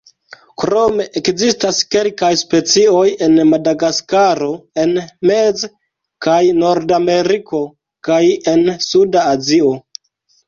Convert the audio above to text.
Krome ekzistas kelkaj specioj en Madagaskaro, en Mez- kaj Nordameriko kaj en suda Azio.